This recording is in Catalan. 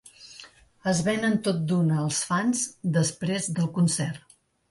Es venen tot d'una als fans després del concert.